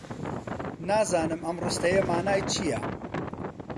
نازانم ئەم ڕستەیە مانای چییە.